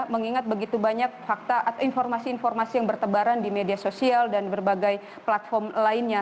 mengingat begitu banyak fakta atau informasi informasi yang bertebaran di media sosial dan berbagai platform lainnya